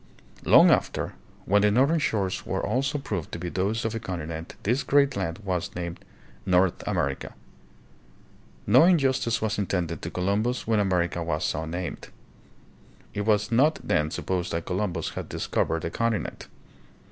Long after, when the northern shores were also proved to be those of a continent/this great land was named "North America." No injustice was intended to Columbus when America was so named. It was not then supposed that Columbus had discovered a continent.